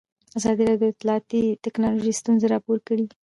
ازادي راډیو د اطلاعاتی تکنالوژي ستونزې راپور کړي.